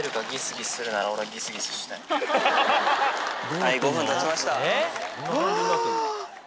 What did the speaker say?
はい５分たちました。